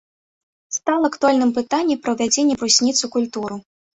Стала актуальным пытанне пра ўвядзенне брусніц у культуру.